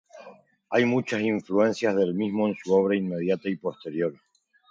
Hay muchas influencias del mismo en su obra inmediata y posterior.